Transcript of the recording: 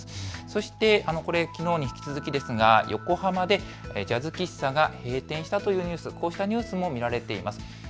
そして、きのうに引き続きですが横浜でジャズ喫茶が閉店したというニュース、こうしたニュースも見られています。